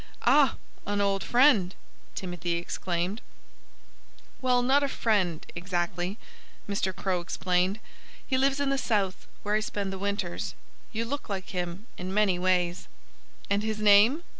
"Ah! An old friend!" Timothy exclaimed. "Well not a friend, exactly," Mr. Crow explained. "He lives in the South, where I spend the winters. You look like him, in many ways." "And his name?"